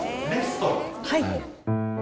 はい。